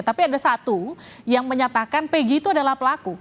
tapi ada satu yang menyatakan pg itu adalah pelaku